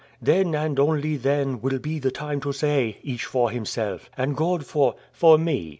then, and only then, will be the time to say, Each for himself, and God for " "For me."